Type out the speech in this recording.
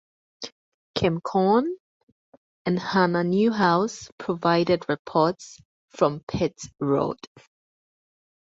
Kim Coon and Hannah Newhouse provided reports from pit road.